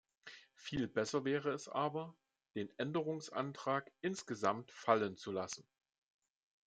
Viel besser wäre es aber, den Änderungsantrag insgesamt fallen zu lassen.